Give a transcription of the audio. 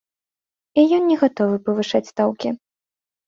І ён не гатовы павышаць стаўкі.